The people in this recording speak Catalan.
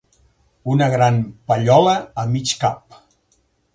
Una gran pallola a mig cap